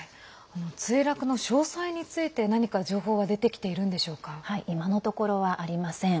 墜落の詳細について何か情報は今のところはありません。